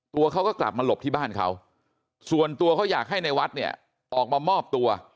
ตัวเขาก็กลับมาหลบที่บ้านเขาส่วนตัวเขาอยากให้ในวัดเนี่ยออกมามอบตัว